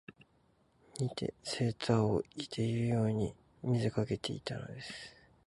以てセーターを着ているように見せかけていたのです